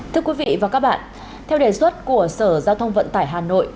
thưa quý vị và các bạn theo đề xuất của sở giao thông vận tải hà nội